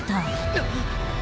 あっ。